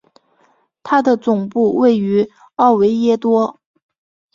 它的总部位于奥维耶多。